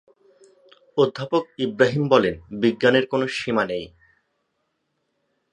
অধ্যাপক ইব্রাহীম বলেন, বিজ্ঞানের কোনো সীমা নেই।